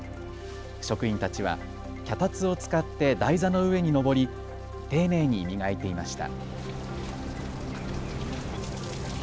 職員たちは脚立を使って台座の上にのぼり、丁寧に磨いていました。